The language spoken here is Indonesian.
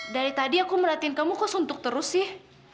dari tadi aku melatih kamu kok suntuk terus sih